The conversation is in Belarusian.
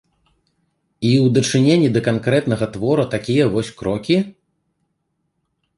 І ў дачыненні да канкрэтнага твора такія вось крокі?